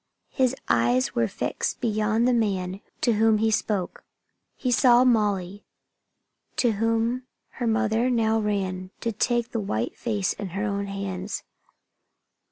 His eyes were fixed beyond the man to whom he spoke. He saw Molly, to whom her mother now ran, to take the white face in her own hands.